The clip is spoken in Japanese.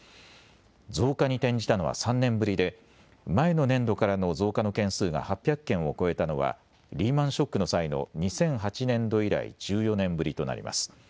増加に転じたのは３年ぶりで前の年度からの増加の件数が８００件を超えたのはリーマンショックの際の２００８年度以来１４年ぶりとなります。